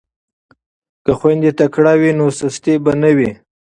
که خویندې تکړه وي نو سستي به نه وي.